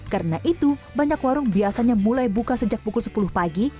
karena itu banyak warung biasanya mulai buka sejak pukul sepuluh pagi